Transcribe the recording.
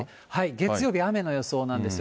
月曜日、雨の予想なんですよ。